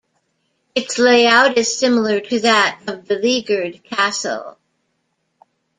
Its layout is similar to that of Beleaguered Castle.